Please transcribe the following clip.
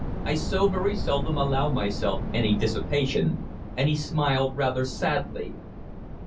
I so very seldom allow myself any dissipation," and he smiled rather sadly.